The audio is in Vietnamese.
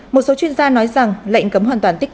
một số chuyên gia nói rằng lệnh cấm hoàn toàn tích cực